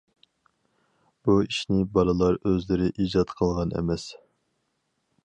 بۇ ئىشنى بالىلار ئۆزلىرى ئىجاد قىلغان ئەمەس.